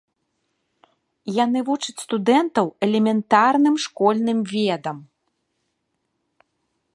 Яны вучаць студэнтаў элементарным школьным ведам.